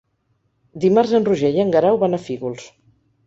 Dimarts en Roger i en Guerau van a Fígols.